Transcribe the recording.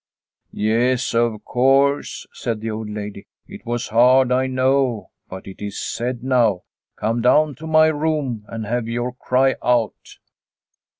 " Yes, of course," said the old lady. " It was hard, I know, but it is said now. Come down to my room and have your cry out."